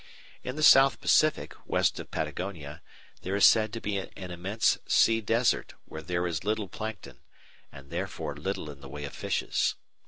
In the South Pacific, west of Patagonia, there is said to be an immense "sea desert" where there is little Plankton, and therefore little in the way of fishes.